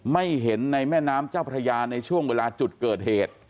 ไม่เห็นในแม่น้ำเจ้าพระยาในช่วงเวลาจุดเกิดเหตุ